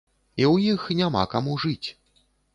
І ў іх няма каму жыць.